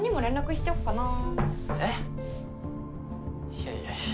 いやいやいや。